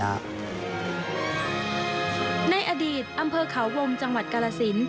ในอดีตอำเภอเขาวงจังหวัดกาลสิน